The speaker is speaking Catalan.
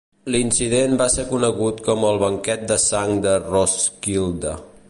L'incident va ser conegut com el "banquet de sang de Roskilde".